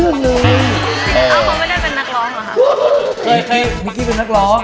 เคยมีนิกคี่เป็นนักร้อง